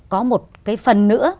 có một cái phần nữa